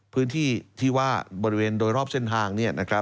พื้นที่ที่ว่าบริเวณโดยรอบเส้นทาง